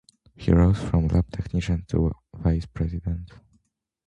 He rose from lab technician to Vice President.